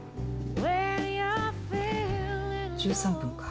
１３分か。